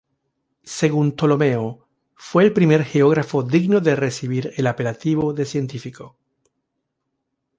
Según Ptolomeo, fue el primer geógrafo digno de recibir el apelativo de científico.